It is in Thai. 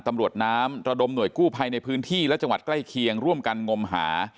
ตำรวจน้ำระดมหน่วยกู้ภัยในพื้นที่และจังหวัดใกล้เคียงร่วมกันงมหา